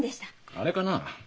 あれかな